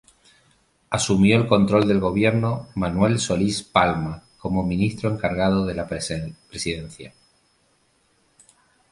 Asumió el control del gobierno Manuel Solís Palma como Ministro Encargado de la Presidencia.